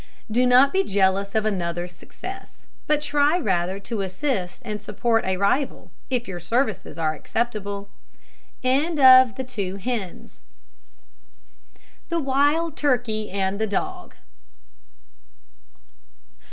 Do not be jealous of another's success, but try rather to assist and support a rival, if your services are acceptable. THE WILD TURKEY AND THE DOG.